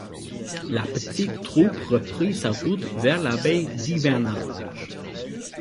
La petite troupe reprit sa route vers la baie d’hivernage.